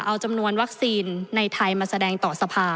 เอาจำนวนวัคซีนในไทยมาแสดงต่อสภา